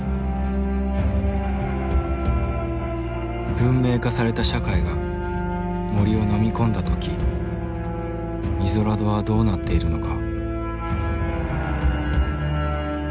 文明化された社会が森をのみ込んだ時イゾラドはどうなっているのか。